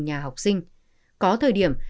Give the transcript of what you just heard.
nhà học sinh có thời điểm